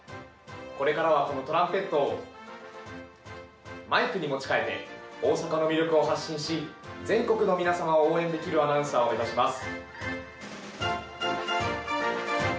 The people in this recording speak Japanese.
これからはこのトランペットをマイクに持ち替えて大阪の魅力を発信し全国の皆様を応援できるアナウンサーを目指します。